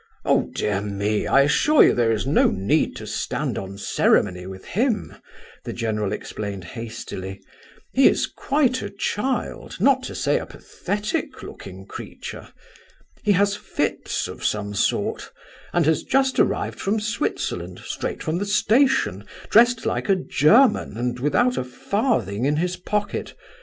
"Oh, dear me, I assure you there is no need to stand on ceremony with him," the general explained hastily. "He is quite a child, not to say a pathetic looking creature. He has fits of some sort, and has just arrived from Switzerland, straight from the station, dressed like a German and without a farthing in his pocket.